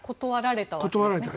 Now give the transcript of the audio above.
断られた。